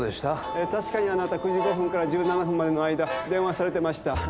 えー確かにあなた９時５分から１７分までの間電話されてました。